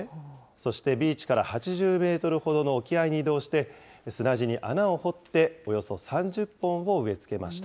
そしてビーチから８０メートルほどの沖合に移動して、砂地に穴を掘っておよそ３０本を植え付けました。